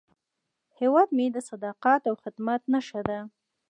هیواد مې د صداقت او خدمت نښه ده